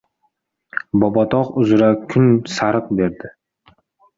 Bobotog‘ uzra kun sariq berdi.